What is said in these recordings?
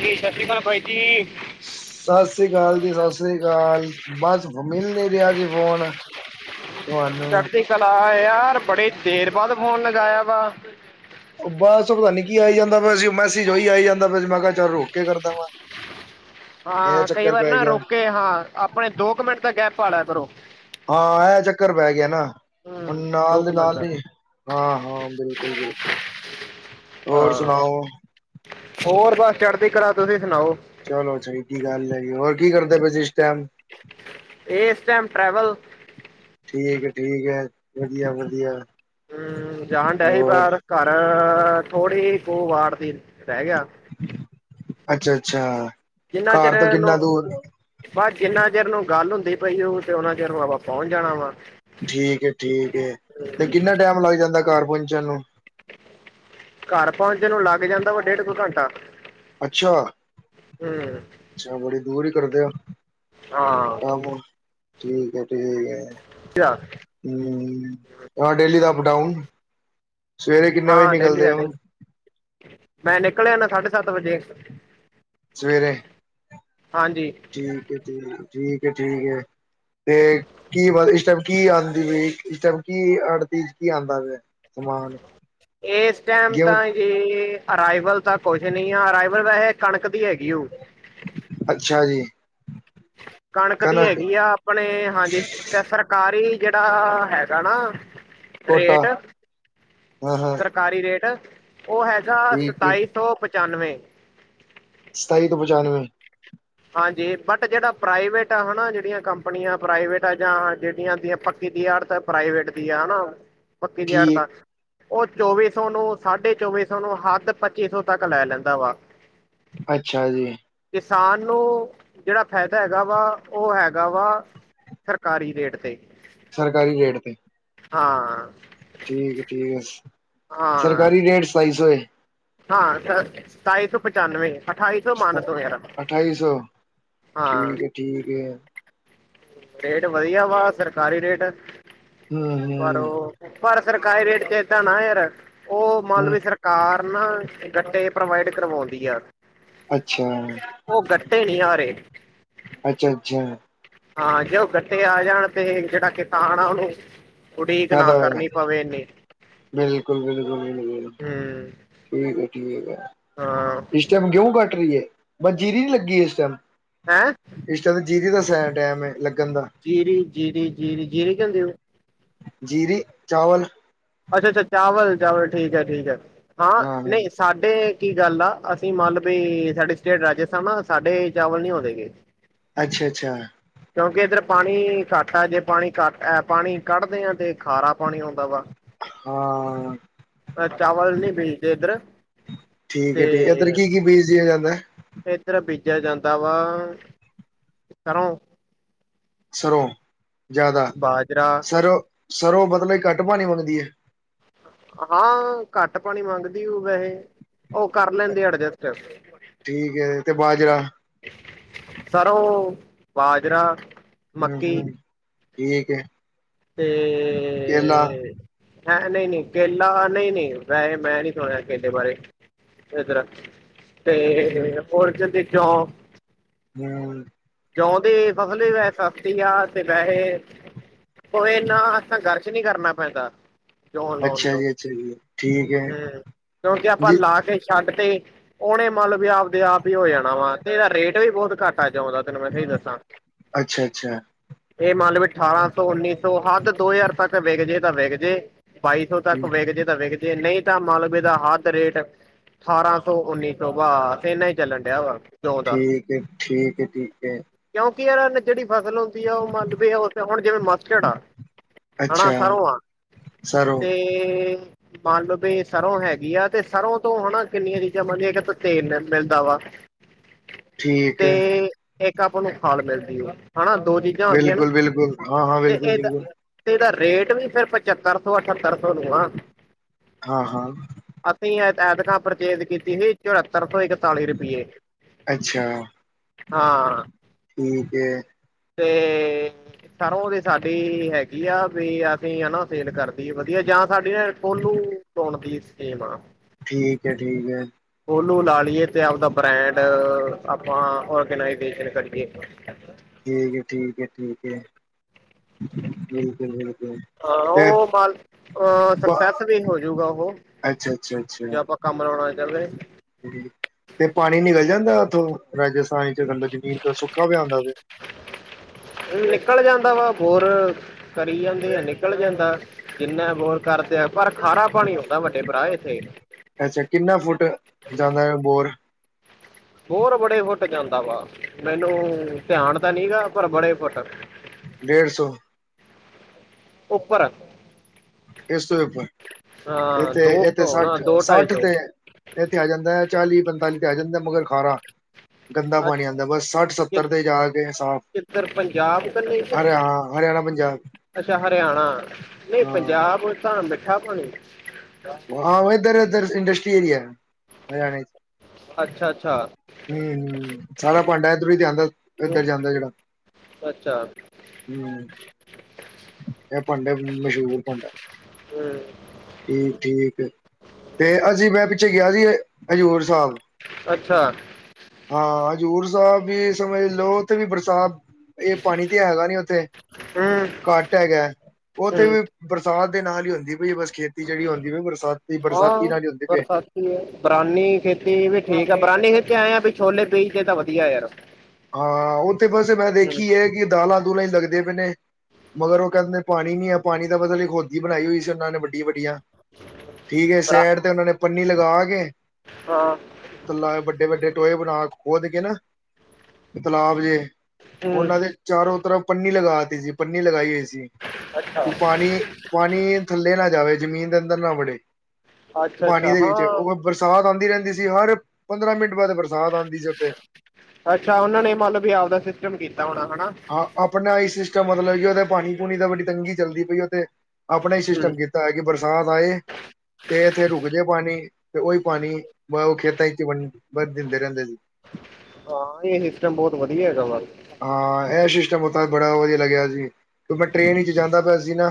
ਜੀ। ਸਤਿ ਸ਼੍ਰੀ ਅਕਾਲ ਬਾਈ ਜੀ। ਸਸ ਸ਼੍ਰੀ ਕਾਲ ਜੀ। ਸਸ ਸ਼੍ਰੀ ਕਾਲ। ਬਸ ਮਿਲ ਨੀਂ ਰਿਹਾ ਸੀ ਫੋਨ। ਤੁਹਾਨੂੰ। ਚਲਾ ਯਾਰ ਬੜੀ ਦੇਰ ਬਾਅਦ ਫੋਨ ਲਗਾਇਆ ਵਾ। ਉਹ ਬਸ ਪਤਾ ਨੀ ਕੀ ਆਈ ਜਾਂਦਾ ਪਿਆ ਸੀ। ਮੈਸਜ ਉਹੀ ਆਈ ਜਾਂਦਾ ਪਿਆ ਸੀ ਮੈਂ ਕਿਹਾ ਚੱਲ ਰੋਕ ਕੇ ਕਰਦਾ ਵਾ ਇਹ ਹਾਂ। ਕਈ ਚੱਕਰ ਵਾਰ ਪੈ ਨਾ ਗਿਆ ਰੁੱਕ ਕੇ ਹਾਂ, ਆਪ ਦੋ ਕੁ ਮਿੰਟ ਦਾ ਗੈਪ ਪਾ ਲਿਆ ਕਰੋ। ਹਾਂ ਆਹ ਚੱਕਰ ਪੈ ਗਿਆ ਨਾ। ਹੂੰ ਹੁਣ ਨਾਲ ਦੇ ਮਿੰਟ ਨਾਲ ਦਾ ਈ। ਹਾਂ- ਹਾਂ ਬਿਲਕੁਲ- ਬਿਲਕੁਲ ਹੋਰ ਹਾਂ, ਸੁਣਾਓ ਹੋਰ ਬੱਸ ਚੜਦੀ ਕਲਾ, ਤੁਸੀਂ ਸੁਣਾਓ? ਚਲੋ ਚੰਗੀ ਗੱਲ ਐ ਜੀ, ਹੋਰ ਕੀ ਕਰਦੇ ਪਏ ਸੀ ਇਸ ਟਾਈਮ? ਇਸ ਟਾਈਮ ਟਰੈਵਲ ਠੀਕ ਏ- ਠੀਕ ਏ। ਵਧੀਆ- ਵਧੀਆ। ਹੂੰ, ਜਾਣ ਡੇ ਹੀ ਹੋਰ ਪਰ ਘਰ, ਥੋੜੀ ਕੂ ਵਾਟਤੀ ਰੈ ਗੇਆ। ਅੱਛਾ, ਅੱਛਾ ਘਾਰ ਤੋਂ ਕਿੰਨਾ ਦੂਰ ਬਾ ਜਿੰਨਾ ਚਿਰ ਨੂੰ ਗਾਲ ਹੁੰਦੀ ਪਈ ਓਨਾ ਚਿਰ ਨੂੰ ਆਪਾਂ ਪੋਂਚ ਜਾਣਾ ਵਾ ਠੀਕੇ, ਠੀਕੇ ਤੇ ਹੂੰ, ਕਿੰਨਾ ਟੈਮ ਲੱਗ ਜਾਂਦਾ ਘਰ ਪੋਂਚਣ ਨੂੰ ਘਰ ਪੋਂਚਣ ਨੂੰ ਲਾਗ ਜਾਂਦਾ ਵਾ ਡੇਢ ਕੁ ਘੰਟਾ ਅੱਛਾ, ਹੂੰ ਅੱਛਾ ਬੜੀ ਦੂਰ ਹੀ ਕਰਦੇ ਓ ਹਾਂ ਹਾਂ ਬੋਲ, ਠੀਕੇ ਠੀਕੇ। [inaudible] ਹੂੰ, ਡੇਲੀ ਦਾ ਅਪ ਡਾਊਨ, ਸਵੇਰੇ ਕਿੰਨੇ ਵਜੇ ਹਾਂ ਡੇਲੀ ਨਿਕਲਦੇ ਦਾ ਓ? ਡੇਲੀ ਮੈਂ ਨਿਕਲ ਆਨਾ ਸਾਢੇ ਸੱਤ ਵਜੇ। ਸਵੇਰੇ? ਹਾਂਜੀ। ਠੀਕੇ, ਠੀਕੇ, ਠੀਕੇ, ਠੀਕੇ। ਤੇ ਕੀ ਇਸ ਟਾਈਮ ਕੀ ਆਂਦੀ ਏ, ਇਸ ਟਾਈਮ ਕੀ ਆੜਤੀ ਕੀ ਆਦਾ ਪੇਸ਼? ਕਮਾਲੇ। ਏਸ ਟੈਮ ਤਾਂ ਏ, ਅਰਾਈਵਲ ਤਾਂ ਕੁਛ ਨੀ ਆ, ਅਰਾਈਵਲ ਵੈਹੇ ਕਣਕ ਦੀ ਹੈਗੀ ਉ। ਅੱਛਾ ਜੀ। ਕਣਕ ਦੀ ਹੈਗੀ ਆ, ਆਪਣੇ ਹਾਂਜੀ, ਤੇ ਸਰਕਾਰੀ ਜੜਾ ਹੈਗਾ ਣਾ, ਕੋਟਾ ਰੇਟ ਹਾਂ ਹਾਂ ਸਰਕਾਰੀ ਰੇਟ ਓ ਹੈ ਠੀਕ ਠੀਕ ਸਤਾਈ ਸੌ ਪਚਾਨਵੇਂ। ਸਤਾਈ ਸੋ ਪਚਾਨਵੇਂ। ਹਾਂਜੀ, ਬਟ ਜੜਾ ਪ੍ਰਾਈਵੇਟ ਆ ਹਨਾ, ਜੜੀਆਂ ਕੰਪਨੀਆਂ ਪ੍ਰਾਈਵੇਟ ਆ ਜਾਂ ਜੜੀਆਂ ਦੀਆਂ ਪੱਕੀ ਦੀ ਆੜਤ ਪ੍ਰਾਈਵੇਟ ਦੀ ਆ ਹਨਾਂ, ਪੱਕੀ ਦੀ ਠੀਕ ਆੜਤਾਂ ਓ ਚੌਵੀ ਸੌ ਨੂੰ, ਸਾਢੇ ਚੌਵੀ ਸੌ ਨੂੰ, ਹਾਦ ਪੱਚੀ ਸੌ ਤੱਕ ਲੈ ਲੈਂਦਾ ਵਾ। ਅੱਛਾ ਜੀ। ਕਿਸਾਨ ਨੂੰ, ਜੜਾ ਫੈਦਾ ਹੈਗਾ ਵਾ, ਓ ਹੈਗਾ ਵਾ ਸਰਕਾਰੀ ਰੇਟ ਤੇ। ਸਰਕਾਰੀ ਰੇਟ ਤੇ। ਹਾਂ। ਠੀਕੇ, ਠੀਕੇ ਹਾਂ ਸਰਕਾਰੀ ਰੇਟ ਸਤਾਈ ਸੌ ਏ? ਹਾਂ, ਸਤਾਈ ਸੌ ਪਚਾਨਵੇਂ। ਅਠਾਈ ਸੌ ਹੈ ਮਾਨਦੋ ਯਾਰਾ, ਹਾਂ। ਠੀਕੇ। ਰੇਟ ਵਧੀਆ ਵਾ ਸਰਕਾਰੀ ਰੇਟ ਏ। ਹੂੰ ਪਰ ਹੂੰ ਓ ਪਰ ਸਰਕਾਰੀ ਰੇਟ ਚ ਏਦਾਂ ਨਾ ਯਾਰ, ਓ ਹੂੰ ਮਾਲਵੀ ਸਰਕਾਰ ਕਾਰ ਨਾ, ਗੱਡੇ ਪ੍ਰੋਵਾਈਡ ਕਰਵੋਂਦੀ ਏ। ਅੱਛਾ ਓ ਗੱਟੇ ਨੀ ਆ ਰੇ। ਅੱਛਾ, ਅੱਛਾ। ਹਾਂ ਜੇ ਉਹ ਗੱਟੇ ਆ ਜਾਣ ਤੇ, ਜੜਾ ਕਿਸਾਨ ਆ ਓਨੂੰ ਉਡੀਕ ਨਾ ਫ਼ਾਇਦਾ ਹੋਇਆ ਕਰਨੀ ਪਵੇ ਏਨੀ। ਬਿਲਕੁਲ, ਬਿਲਕੁਲ, ਬਿਲਕੁਲ। ਹੂੰ ਠੀਕੇ, ਹਾਂ ਟੀਕੇ। ਚਮ ਕਿਉਂ ਕੱਟ ਰੀ ਏ? ਵਨਜੀਰੀ ਨੀ ਲੱਗੀ ਇਸ ਟਾਈਮ? ਹੈਂ। ਇਸ ਤਾਂ ਤੇ ਜੀਰੀ ਦਾ ਸ ਟੈਮ ਏ ਲੱਗਣ ਦਾ। ਜੀਰੀ-ਜੀਰੀ, ਜੀਰੀ-ਜੀਰੀ ਕਹਿੰਦੇ ਹੋ? ਜੀਰੀ, ਚਾਵਲ। ਅੱਛਾ-ਅੱਛਾ, ਚਾਵਲ-ਚਾਵਲ ਠੀਕ ਹੈ-ਠੀਕ ਹੈ ਹਾਂ ਨਈ ਸਾਡੇ ਕੀ ਗੱਲ ਆ, ਅਸੀਂ ਮੰਨ ਵੇ ਸਾਡੇ ਸਟੇਟ ਰਾਜਸਥਾਨ ਆ ਸਾਡੇ ਚਾਵਲ ਨੀ ਹੋਨੇ ਗੇ। ਅੱਛਾ-ਅੱਛਾ। ਕਿਉਂਕਿ ਇੱਧਰ ਪਾਨੀ ਘੱਟ ਹੈ ਜੇ ਪਾਨੀ ਕੱਟ ਹੈ, ਪਾਨੀ ਕੱਢਦੇ ਹਾਂ ਤੇ ਖਾਰਾ ਪਾਨੀ ਆਉਂਦਾ ਵਾ। ਹਾਂ। ਏ ਚਾਵਲ ਨੀ ਬੀਜਦੇ ਏਧਰ। ਠੀਕ ਐ-ਠੀਕ ਐ ਏਧਰ ਕੀ-ਕੀ ਬੀਜਆ ਜਾਂਦਾ? ਏਧਰ ਬੀਜਿਆ ਜਾਂਦਾ ਵਾ ਸਰੋ। ਸਰੋਂ ਜਾਦਾ ਬਾਜਰਾ ਸਰੋਂ, ਸਰੋਂ ਮਤਲਬ ਹੀ ਘੱਟ ਪਾਨੀ ਮੰਗਦੀ ਏ। ਹਾਂ ਘੱਟ ਪਾਨੀ ਮੰਗਦੀ ਉਹ ਵੈਹੇ। ਉਹ ਕਰ ਲੈਂਦੇ ਆ ਅਰਜਸਟ। ਠੀਕ ਹੈ ਤੇ ਬਾਜਰਾ ਸਰ੍ਹੋਂ, ਬਾਜਰਾ। ਮੱਕੀ ਹੂੰ-ਹੂੰ ਠੀਕ ਐ। ਤੇ ਹੈ ਨਈ-ਨਈ ਕੇਲਾ ਨਈ-ਨਈ ਵੈਹੇ ਮੈਂ ਨੀ ਸੁਣਿਆ ਕੇਲੇ ਬਾਰੇ। ਇਧਰ ਆ ਹੂੰ ਤੇ [unintelligible] ਦੀ ਜੋਬ ਹੂੰ ਜੋ ਦੀ ਫਸਲ ਵੀ ਵੈਹੇ ਸਸਤੀ ਆ ਤੇ ਵੈਹੇ ਉਹ ਇਨਾ ਗਰ- ਕੁਛ ਨੀ ਕਰਨਾ ਪੈਂਦਾ। ਜੋ ਲੋਣ ਅੱਛਾ ਨੂੰ ਜੀ, ਅੱਛਾ ਜੀ, ਠੀਕ ਹੈ ਤੇ ਕਿਉਂਕਿ ਆਪਾਂ ਜੀ, ਲਾ ਕੇ- ਛੱਡ ਤੇ ਉਹਨੇ ਮਲ ਵੀ ਆਪਦੇ ਆਪ ਹੀ ਹੋ ਜਾਣਾ ਵਾ ਤੇ ਇਹ ਰੇਟ ਵੀ ਬੋਹਤ ਘੱਟਾ ਆ ਜੋ ਦਾ। ਤੈਨ ਮੈਂ ਸਹੀ ਦਸਾ। ਅੱਛਾ-ਅੱਛਾ। ਇਹ ਮੰਨ ਲ ਵੀ, ਅਠਾਰਾਂ ਸੌ, ਉੱਨੀ ਸੌ, ਹੱਦ ਦੋ ਹਜ਼ਾਰ ਤੱਕ ਵਿਕਜੇ ਤਾਂ ਵਿਕਜੇ। ਬਾਈ ਸੌ ਤੱਕ ਵੇਕ ਜੇ ਤੇ ਵੇਕ ਜੇ ਨਈ ਤਾਂ ਮਾਲਵੇ ਦਾ ਹੱਦ ਰੇਟ ਅਠਾਰਾਂ ਸੌ, ਉੱਨੀ ਸੌ ਬ ਬਾਸ ਇਨਾ ਹੀ ਚੱਲਣ ਡਿਆ ਵਾ। ਜੌਂ ਦਾ ਠੀਕ ਏ-ਠੀਕ ਏ, ਠੀਕ ਏ। ਕਿਉਂਕਿ ਇਹਨਾਂ ਨੇ ਜੇੜੀ ਫਸਲ ਉੱਗਦੀ ਆ ਉਹ ਮੰਨ ਬੀ ਆ ਉੇ ਹੁਣ ਜਿਵੇਂ ਮਸਟਰ ਆ ਅੱਛਾ ਹਣਾ ਸਰੋਂ ਆ। ਸਰੋਂ ਤੇ ਮੰਨ ਲੋ ਵੀ ਏ ਸਰੋਂ ਹੈਗੀ ਆ ਤੇ ਸਰੋਂ ਤੋਂ ਹਨਾ ਕਿੰਨੀਆਂ ਚੀਜ਼ਾਂ ਬੰਦਿਆ ਇਕ ਤੇ ਤੇਲ ਮਿਲਦਾ ਵਾ। ਠੀਕ ਐ। ਏਕ ਆਪਾਂ ਨੂੰ ਖਾਲ ਮਿਲਦੀ ਹੈ ਹਨਾ ਦੋ ਚੀਜ਼ਾਂ ਹੋਗਈਆਂ ਨਾ ਬਿਲਕੁਲ-ਬਿਲਕੁਲ, ਹਾਂ-ਹਾਂ, ਤੇ ਇਹ ਤਾਂ ਬਿਲਕੁਲ-ਬਿਲਕੁਲ, ਤੇ ਏਦਾ ਰੇਟ ਵੀ ਫੇਰ ਪਚੱਤਰ ਸੌ, ਅਠੱਤਰ ਸੌ ਨੂੰ ਆ। ਹਾਂ-ਹਾਂ। ਅਸੀਂ ਐਤਕਾਂ ਪਰਚੇਜ ਕੀਤੀ ਸੀ ਚੁਹੱਤਰ ਸੌ ਇਕਤਾਲੀ ਰੁਪਈਏ। ਅੱਛਾ। ਹਾਂ, ਠੀਕ ਹੈ। ਤੇ ਸਰੋ ਵੀ ਸਾਡੀ ਹੈਗੀ ਆ ਵੀ ਅਸੀਂ ਹਨਾ ਸੇਲ ਕਰਦੀਏ ਵਧੀਆ। ਜਾਂ ਸਾਡੀੇ ਨਾ ਟੋਲੂ ਪੋਣ ਦੀ ਸਕੀਮ ਆ। ਠੀਕ ਐ, ਠੀਕ ਐ। ਕੋਲੂ ਲਾ ਲਈਏ ਤੇ ਆਪਦਾ ਬ੍ਰੈਂਡ ਆਪਾਂ ਔਰਗਨਾਈਜੇਸ਼ਨ ਕਰੀਏ। ਠੀਕ ਐ-ਠੀਕ ਐ, ਠੀਕ ਐ। ਬਿਲਕੁਲ-ਬਿਲਕੁਲ। ਹਾਂ, ਤੇ ਉਹ ਮੱਲ ਅ ਸਕਸੈਸ ਵੀ ਹੋਜੂਗਾ ਉਹ। ਅੱਛਾ, ਅੱਛਾ, ਅੱਛਾ। ਜੇ ਆਪਾਂ ਕੰਮ ਲਾਉਣਾ [unintelligible] ਤੇ ਪਾਣੀ ਨਿਕਲ ਜਾਂਦਾ ਉੱਥੋਂ? ਰਾਜੇਸਤਾਨ ਚ ਬੰਦਰ ਜ਼ਮੀਨ ਤੇ ਸੁੱਕਾ ਪਿਆ ਹੁੰਦਾ ਫ ਨਿਕਲ ਜਾਂਦਾ ਵਾ ਹੋਰ ਕਰੀ ਜਾਂਦੇ ਆ ਨਿਕਲ ਜਾਂਦਾ ਜਿੰਨਾ ਬੋਰ ਕਰਦੇ ਪਰ ਖਾਰਾ ਪਾਣੀ ਆਉਂਦਾ ਵੱਡੇ ਪਰਾ ਇੱਥੇ। ਅੱਛਾ ਕਿੰਨਾ ਫੁੱਟ ਜਾਂਦਾ ਐ ਬੋਰ? ਬੋਰ ਬੜੇ ਫੁੱਟ ਜਾਂਦਾ ਵਾ ਮੈਨੂੰ ਧਿਆਨ ਤਾਂ ਨਹੀਂ ਗਾ ਪਰ ਬੜੇ ਫੁੱਟ। ਡੇਢ ਸੌ। ਉੱਪਰ। ਇਸ ਤੋਂ ਵੀ ਉੱਪਰ ਹਾਂ, ਇੱਥੇ ਦੋ ਇੱਥੇ ਸੌ ਨਾ ਸੱਠ ਦੋ ਢਾਈ ਸੱਠ ਸੌ ਤੇ ਇੱਥੇ ਆ ਜਾਂਦਾ ਐ ਚਾਲੀ ਪੰਤਾਲੀ ਤੇ ਆ ਜਾਂਦਾ ਮਗਰ ਖਾਰਾ। ਗੰਦਾ ਅੱਜ ਪਾਣੀ ਆਂਦਾ ਬਸ ਸੱਠ ਕਿ- ਸੱਤਰ ਤੇ ਜਾ ਕੇ ਸਾਫ਼ ਕਿੱਧਰ, ਪੰਜਾਬ ਹਰਿਆ ਹਰਿਆਣਾ ਪੰਜਾਬ [unintelligible] ਅੱਛਾ ਹਰਿਆਣਾ, ਨਹੀਂ ਹਾਂ ਪੰਜਾਬ ਤਾਂ ਮਿੱਠਾ ਪਾਣੀ ਆਹੋ ਇਧਰ ਇਧਰ ਇੰਡਸਟਰੀ ਏਰੀਆ ਹਰਿਆਣੇ ਚ ਅੱਛਾ-ਅੱਛਾ। ਹੁੰ, ਸਾਰਾ ਭਾਂਡਾ ਇੱਧਰੋਂ ਹੀ ਤੇ ਆਂਦਾ ਹੂੰ, ਇੱਧਰ ਜਾਂਦਾ ਜਿਹੜਾ। ਅੱਛਾ। ਹੁੰ। ਇਹ ਭਾੰਡਾ ਮਸ਼ਹੂਰ ਭਾੰਡਾ। ਹੂੰ, ਠੀਕ ਠੀਕ ਤੇ ਅਸੀਂ ਮੈਂ ਪਿੱਛੇ ਗਿਆ ਸੀ ਹਜ਼ੂਰ ਸਾਹਿਬ ਅੱਛਾ। ਹਾਂ, ਹਜ਼ੂਰ ਸਾਹਿਬ ਵੀ ਸਮਝ ਲੋ ਉੱਥੇ ਵੀ ਬਰਸਾਤ ਇਹ ਪਾਣੀ ਤੇ ਹੈਗਾ ਨੀ ਉੱਥੇ ਹੂੰ ਘੱਟ ਹੈਗਾ ਉੱਥੇ ਹੂੰ ਵੀ ਬਰਸਾਤ ਦੇ ਨਾਲ ਹੀ ਹੁੰਦੀ ਪਈ ਬਸ ਖੇਤ ਜਿਹੜੀ ਹੁੰਦੀ ਪਈ ਏ ਬਰਸਾਤੀ ਬਰਸਾਤੀ ਹਾਂ ਨਾਲ ਹੀ ਹੁੰਦੀ ਪਈ ਏ। ਬਰਸਾਤੀ ਬਰਾਨੀ ਖੇਤੀ ਵੀ ਠੀਕ ਆ ਬਰਾਨੀ ਖੇਤੀ ਆਏ ਆ ਵੀ ਛੋਲੇ ਬੀਜ ਤਾਂ ਵਧੀਆ ਯਾਰ। ਹਾਂ ਉਹਥੇ ਬਸ ਮੈਂ ਹੂੰ ਦੇਖੀ ਐ ਕਿ ਦਾਲਾਂ ਦੁਲਾਂ ਹੀ ਲੱਗਦੇ ਪਏ ਨੇ। ਮਗਰ ਉਹ ਕਹਿੰਦੇ ਪਾਣੀ ਨੀ ਆ ਪਾਣੀ ਦਾ ਬਤਲ ਇੱਕ ਹੋਦੀ ਬਣਾਈ ਹੋਈ ਸੀ ਉਹਨਾਂ ਨੇ ਵੱਡੀਆਂ ਵੱਡੀਆਂ। ਠੀਕ ਐ, ਬਰਾ ਸੈਇਡ ਤੇ ਉਹਨਾ ਨੇ ਪੰਨੀ ਲਗਾ ਕੇ ਹਾਂ। ਵੱਡੇ ਵੱਡੇ ਟੋਏ ਬਣਾ ਕੇ ਖੋਦ ਕੇ ਨਾ ਤਲਾਬ ਜੇ ਹੂੰ ਉਹਨਾਂ ਦੇ ਚਾਰੋ ਤਰਫ ਪੰਨੀ ਲਗਾ ਤੀ ਸੀ, ਪੰਨੀ ਲਗਾਈ ਹੋਈ ਸੀ। ਅੱਛਾ ਕਿ ਪਾਣੀ ਪਾਣੀ ਥੱਲੇ ਨਾ ਜਾਵੇ ਜਮੀਨ ਦੇ ਅੰਦਰ ਨਾ ਵੜੇ। ਅੱਛਾ ਪਾਣੀ ਅੱਛਾ ਦੇ ਵਿੱਚ ਹਾਂ ਉਹ ਬਰਸਾਤ ਆਂਦੀ ਰਹਿੰਦੀ ਸੀ ਹਰ ਪੰਦਰਾਂ ਮਿੰਟ ਬਾਅਦ ਬਰਸਾਤ ਆਂਦੀ ਸੀ ਉਥੇ। ਅੱਛਾ ਉਹਨਾਂ ਨੇ [unintelligible] ਵੀ ਆਪਦਾ ਸਿਸਟਮ ਕੀਤਾ ਹੋਣਾ ਹੈਨਾ? ਆਪਣਾ ਹੀ ਸਿਸਟਮ ਮਤਲਬ ਕਿ ਉਹਦਾ ਪਾਣੀ ਪੂਣੀ ਦਾ ਬੜੀ ਤੰਗੀ ਚੱਲਦੀ ਪਈ ਉਹ, ਤੇ ਆਪਣਾ ਹੀ ਹੂੰ ਸਿਸਟਮ ਕੀਤਾ ਤਾ ਐ ਕਿ ਬਰਸਾਤ ਆਏ ਤੇ ਇੱਥੇ ਰੁਕ ਜੇ ਪਾਣੀ ਤੇ ਉਹੀ ਪਾਣੀ ਵਾ ਉਹ ਖੇਤਾਂ ਚ ਵੰ ਦਿੰਦੇ ਰਹਿੰਦੇ ਸੀ। ਹਾਂ ਇਹ ਸਿਸਟਮ ਬਹੁਤ ਵਧੀਆ ਹੈਗਾ ਵਾ ਹਾਂ ਇਹ ਸਿਸਟਮ ਓਥੇ ਦਾ ਬੜਾ ਵਧੀਆ ਲੱਗਿਆ ਸੀ ਕਿ ਮੈਂ ਟ੍ਰਰੇਨ ਵਿੱਚ ਜਾਂਦਾ ਪਿਆ ਸੀ ਨਾ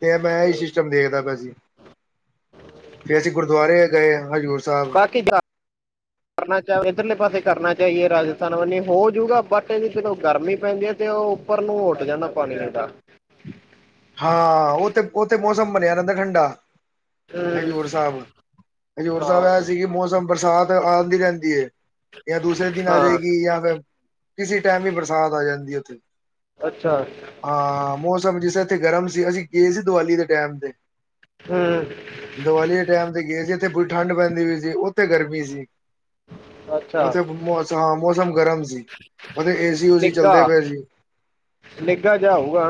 ਤੇ ਮੈਂ ਸਿਸਟਮ ਦੇਖਦਾ ਪਿਆ ਸੀ ਫੇਰ ਅਸੀਂ ਗੁਰਦੁਆਰੇ ਗਏ ਹਜ਼ੂਰ ਸਾਹਿਬ [unintelligible] ਕਰਨਾ ਚਾਹ ਇੱਧਰਲੇ ਪਾਸੇ ਕਰਨਾ ਚਾਹੀਏ ਰਾਜਸਥਾਨ ਵੀ ਹੋਜੂਗਾ ਬਟ ਇਹਦੀ ਫੇਰ ਓੁਹ ਗਰਮੀ ਪੈਂਦੀ ਹੈ ਤੇ ਉਹ ਉੱਪਰ ਨੂੰ ਉੱਡ ਜਾਂਦਾ ਪਾਣੀ ਹਾਂ ਉਹ ਤੇ ਉਥੇ ਮੌਸਮ ਬਣਿਆ ਰਹਿੰਦਾ ਠੰਡਾ ਹੂੰ ਹਜ਼ੂਰ ਸਾਹਿਬ। ਹਜ਼ੂਰ ਸਾਹਿਬ ਇਹ ਸੀ ਹਾਂ ਕਿ ਮੌਸਮ ਬਰਸਾਤ ਆਉਂਦੀ ਰਹਿੰਦੀ ਹੈ। ਜਾਂ ਦੂਸਰੇ ਦਿਨ ਆ ਹਾਂ ਜਾਏਗੀ ਜਾਂ ਫੇਰ ਕਿਸੀ ਟਾਈਮ ਵੀ ਬਰਸਾਤ ਆ ਜਾਂਦੀ ਹੈ ਉੱਥੇ। ਅੱਛਾ। ਹਾਂ ਮੌਸਮ ਜਿਸ ਇੱਥੇ ਗਰਮ ਸੀ ਅਸੀਂ ਗਏ ਸੀ ਦੀਵਾਲੀ ਦੇ ਟੈਾਇਮ ਤੇ। ਹੂੰ ਦੀਵਾਲੀ ਦੇ ਟਾਈਮ ਤੇ ਗਏ ਸੀ ਏਥੇ ਪੂਰੀ ਠੰਢ ਪੈਂਦੀ ਹੋਈ ਸੀ ਉੱਥੇ ਗਰਮੀ ਸੀ। ਅੱਛਾ ਉੱਥੇ ਹਾਂ ਮੌਸਮ ਗਰਮ ਸੀ ਉੱਥੇ ਏਸੀ ਓਸੀ ਨਿੱਘਾ ਚੱਲਦੇ ਪਏ ਸੀ। ਨਿੱਘਾ ਜਿਹਾ ਹੁਗਾ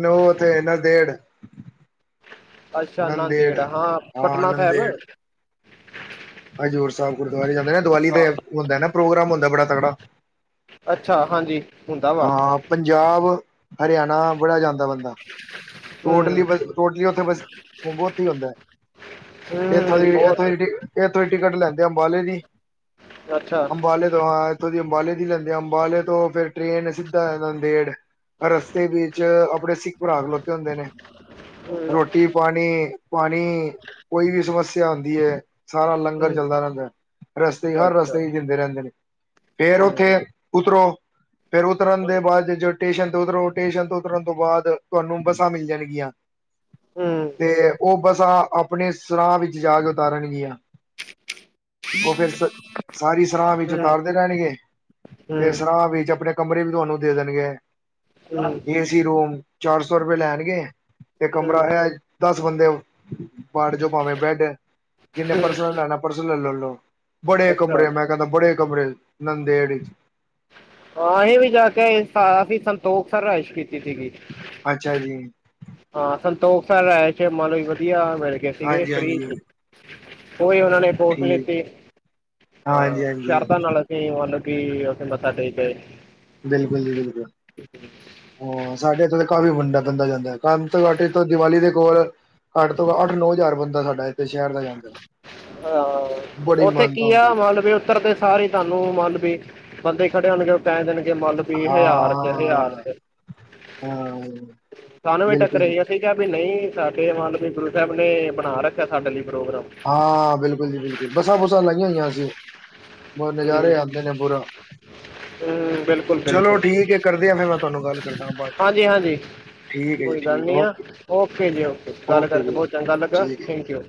ਨੌ ਤੇ ਨਾ ਡੇਢ ਅੱਛਾ ਨੰਦੇੜ ਨਾਂਦੇੜ ਹਾਂ ਹਾਂ ਪਟਨਾ ਸਾਹਿਬ ਨੰਦੇੜ ਹਜ਼ੂਰ ਸਾਹਿਬ ਗੁਰਦੁਆਰੇ ਜਾਂਦੇ ਨੇ ਦੀਵਾਲੀ ਤੇ ਹੁੰਦਾ ਨਾ ਪ੍ਰੋਗਰਾਮ ਹੁੰਦਾ ਬੜਾ ਤਕੜਾ। ਅੱਛਾ ਹਾਂਜੀ। ਹੁੰਦਾ ਵਾ ਹਾਂ ਪੰਜਾਬ ਹਰਿਆਣਾ ਬੜਾ ਜਾਂਦਾ ਬੰਦਾ। [inaudible] ਟੋਟਲੀ ਬ ਟੋਟਲੀ ਉੱਥੇ ਬ ਬਹੁਤ ਹੀ ਹੁੰਦਾ ਹੈ। ਇਥੋਂ ਦੀ ਹੂੰ ਬਹੁਤ ਇਥੋਂ ਦੀ ਇੱਥੋਂ ਦੀ ਟਿਕਟ ਲੈਂਦੇ ਅੰਬਾਲੇ ਦੀ ਅੱਛਾ ਅੰਬਾਲੇ ਤੋਂ ਆ। ਉਥੋਂ ਦੀ ਅੰਬਾਲੇ ਦੀ ਲੈਂਦੇ ਆ ਅੰਬਾਲੇ ਤੋਂ ਫੇਰ ਟ੍ਰੇਨ ਸਿੱਧਾ ਆ ਨਾਂਦੇੜ। ਰਸਤੇ ਵਿੱਚ ਆਪਣੇ ਸਿੱਖ ਭਰਾ ਖਲੋਤੇ ਹੁੰਦੇ ਨੇ ਹੂੰ ਰੋਟੀ। ਰੋਟੀ ਪਾਣੀ ਪਾਣੀ ਕੋਈ ਵੀ ਸਮੱਸਿਆ ਆਉਂਦੀ ਹੈ। ਸਾਰਾ ਲੰਗਰ ਹੂੰ ਚੱਲਦਾ ਰਹਿੰਦਾ ਹੈ ਰਸਤੇ ਹਰ ਅੱਛਾ ਰਸਤੇ ਹੀ ਦਿੰਦੇ ਰਹਿੰਦੇ ਨੇ। ਫੇਰ ਹੂੰ ਉੱਥੇ ਉਤਰੋ। ਫਿਰ ਉਤਰਨ ਹੂੰ ਦੇ ਬਾਅਦ ਜ ਜੋ ਸਟੇਸ਼ਨ ਤੋਂ ਉਤਰੋ ਸਟੇਸ਼ਨ ਤੋਂ ਉਤਰਨ ਤੋਂ ਬਾਅਦ ਤੁਹਾਨੂੰ ਬੱਸਾਂ ਮਿਲ ਜਾਣਗੀਆਂ। ਹੂੰ ਤੇ ਉਹ ਬੱਸਾਂ ਆਪਣੇ ਸਰਾਂਹ ਵਿੱਚ ਜਾ ਕੇ ਉਤਾਰਨਗੀਆਂ। ਉਹ ਫੇਰ ਸ ਸਾਰੀ ਸਰਾਾਂ ਵਿੱਚ ਉਤਾਰਦੇ ਰਹਿਣਗੇ ਹੂੰ ਤੇ ਹੂੰ ਸਰਾਂ ਵਿੱਚ ਆਪਣੇ। ਕਮਰੇ ਵੀ ਤੁਹਾਨੂੰ ਦੇ ਦੇਣਗੇ ਹਮ ਸੀ ਰੂਮ ਚਾਰ ਸੌ ਰੁਪਏ ਲੈਣਗੇ ਅਤੇ ਕਮਰਾ ਹੈ ਦਸ ਬੰਦੇ। ਬਾਰਡ ਜੋ ਪਾਵੇਂ ਬੈਡ ਜਿੰਨੇ ਹੂੰ ਪਰਸੋਂ ਲੈਣਾ ਪਰਸੋਂ ਲੈ ਲੈ ਲਓ ਬੜੇ ਅੱਛਾ ਕਮਰੇ ਮੈਂ। ਕਹਿੰਦਾ ਬੜੇ ਕਮਰੇ ਨੰਦੇੜ ਇਛ ਹਾਂ ਅਸੀਂ ਵੀ ਜਾ ਕੇਸੀਂ ਸੰਤੋਖ ਸਰ ਰਇਸ਼ ਕੀਤੀ ਸੀਗੀ ਅੱਛਾ ਜੀ ਹਾਂ ਸੰਤੋਖ ਸਰ ਚ ਮੰਨ ਲਓ ਜ ਵਧੀਆ ਮਿਲ ਗਏ ਸੀਗੇ ਹਾਂਜੀ ਫਰੀ। ਹਾਂਜੀ ਉਹੀ ਉਹਨਾਂ ਨੇ ਪੋਸਟ ਠੀਕ ਲਿੱਤੀ ਅਹ ਹਾਂਜੀ ਹਾਂਜੀ ਸ਼ਰਧਾ ਨਾਲ। ਕੀ ਮਤਲਬ ਕਿ ਅਸੀਂ ਮੱਥਾ ਟੇਕ ਗਏ ਬਿਲਕੁਲ ਜੀ ਬਿਲਕੁਲ ਹਾਂ ਸਾਡੇ ਇੱਥੋਂ ਤਾਂ ਕਾਫ਼ੀ ਵੰਡਾ ਬੰਦਾ ਜਾਂਦਾ ਕਮ ਘਟ ਤੋਂ ਦੀਵਾਲੀ ਦੇ ਕੋਲ। ਘੱਟ ਤੋਂ ਅੱਠ ਨੌ ਹਜ਼ਾਰ ਬੰਦਾ ਸਾਡਾ ਇੱਥੇ ਸ਼ਹਿਰ ਦਾ ਜਾਂਦਾ। ਹਹ ਬੜੀ ਉੱਥੇ ਮਾਨਤਾ ਕੀ ਆ ਹੁੰਦੀ ਮਾਲਵੇ ਉੱਤਰ ਦੇ। ਸਾਰੇ ਤੁਹਾਨੂੰ ਮੰਨ ਵੀ ਬੰਦੇ ਖੜੇ ਹੋਣਗੇ ਪੈ ਦੇਣਗੇ ਮੰਨ ਵੀ ਹਾਂ ਹਜ਼ਾਰ ਚ ਹਜ਼ਾਰ ਚ ਹਾਂ ਸਾਨੂੰ ਵੀ ਬਿਲਕੁਲ ਟੱਕਰੇ ਜੀ ਅਸੀਂ ਕਿਹਾ ਵੀ ਨਹੀਂ ਸਾਡੇ ਮਨ ਵੀ ਗੁਰੂ ਸਾਹਿਬ ਨੇ ਬਣਾ ਰੱਖਿਆ ਸਾਡੇ ਲਈ ਪ੍ਰੋਗਰਾਮ। ਹਾਂ ਬਿਲਕੁਲ ਜੀ ਬਿਲਕੁਲ, ਬੱਸਾਂ- ਬੁੱਸਾਂ ਲਾਈਆਂ ਹੋਈਆਂ ਸੀ। ਬਹੁ ਹੂੰ ਨਜ਼ਾਰੇ ਆਂਦੇ ਨੇ ਬੁਰਾ ਹੂੰ, ਬਿਲਕੁਲ ਚਲੋ ਬਿਲਕੁਲ ਠੀਕ ਏ ਕਰਦੇਆਂ ਫੇਰ ਮੈਂ ਤੁਹਾਨੂੰ ਗੱਲ ਕਰਦਾ ਬਾਅਦ ਹਾਂਜੀ ਹਾਂਜੀ ਚ ਠੀਕ ਹੈ ਜੀ ਕੋਈ ਗੱਲ ਠੀਕ ਨੀ ਆ, ਓਕੇ ਓਕੇ ਜੀ ਓਕੇ ਗੱਲ ਓਕੇ ਕਰਕੇ ਜੀ ਬਹੁਤ ਚੰਗਾ ਲੱਗਾ ਠੀਕ ਹੈ ਥੈਂਕ ਯੂ।